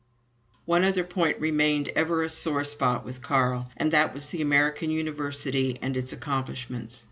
One other point remained ever a sore spot with Carl, and that was the American university and its accomplishments.